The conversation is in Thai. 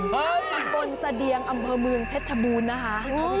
บนสดิงอำเภอเมืองเพชรบูนนะคะ